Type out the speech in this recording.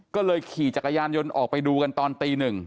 ก็เลยขี่จักรยานยนต์ออกไปดูกันตอนตี๑